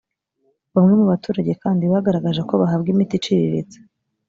bamwe mu baturage kandi bagaragaje ko bahabwa imiti iciririritse